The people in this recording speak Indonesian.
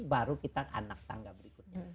baru kita anak tangga berikutnya